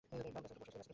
ব্যস একটা প্রশ্ন ছিল।